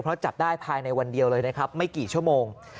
เพราะจับได้ภายในวันเดียวเลยนะครับไม่กี่ชั่วโมง